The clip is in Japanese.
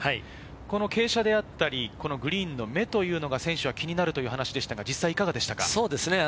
傾斜だったりグリーンの芽というのが選手は気になるという話でしたがいかがですか？